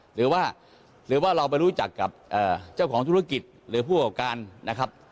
หรือว่าเราไปรู้จักกับเจ้าของธุรกิจหรือผู้กับการนะครับ